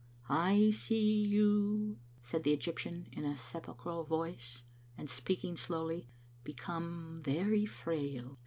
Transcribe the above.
" I see you," said the Egyptian in a sepulchral voice, and speaking slowly, "become very frail.